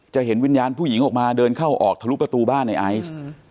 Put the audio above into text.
เห็นวิญญาณผู้หญิงออกมาเดินเข้าออกทะลุประตูบ้านในไอซ์